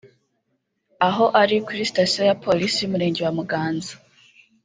Aho ari kuri sitasiyo ya polisi y’Umurenge wa Muganza